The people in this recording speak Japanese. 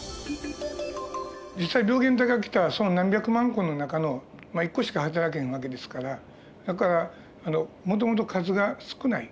実際病原体が来たらその何百万個の中の１個しかはたらけん訳ですからだからもともと数が少ない。